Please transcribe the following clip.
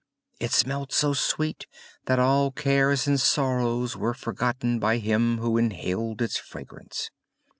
It smelt so sweet that all cares and sorrows were forgotten by him who inhaled its fragrance.